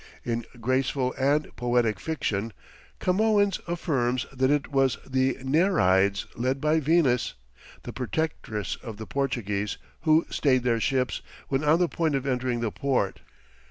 In graceful and poetic fiction, Camoens affirms that it was the Nereids led by Venus, the protectress of the Portuguese, who stayed their ships when on the point of entering the port.